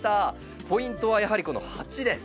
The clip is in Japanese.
ポイントはやはりこの鉢です。